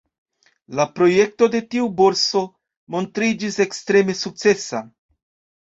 La projekto de tiu Borso montriĝis ekstreme sukcesa.